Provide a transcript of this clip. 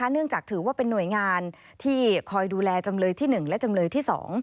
เนื่องจากถือว่าเป็นหน่วยงานที่คอยดูแลจำเลยที่๑และจำเลยที่๒